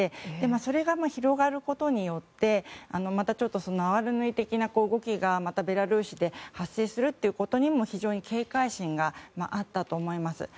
それが広がることによってまたちょっと哀れみ的な動きがまたベラルーシで発生するということにも警戒心があったと思います。